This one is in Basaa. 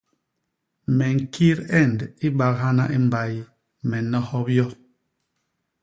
Me ñkit end i bak hana i mbay, me nohop yo.